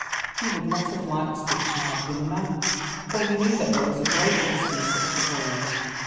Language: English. He would not have liked it if she had been a man, for he knew that there was great risk in such a voyage.